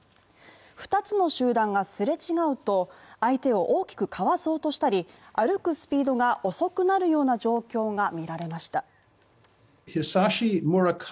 ２つの集団がすれ違うと相手を大きくかわそうとしたり歩くスピードが遅くなるような状況がみられました。